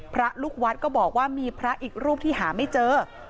พระลูกวัดก็บอกว่ามีพระอีกรูปที่หาไม่เจอ